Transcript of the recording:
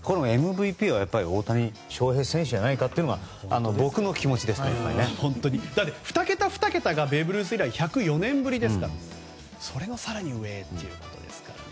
ＭＶＰは大谷翔平選手じゃないかというのが２桁、２桁がベーブ・ルース以来１０４年ぶりですからそれの更に上ということですからね。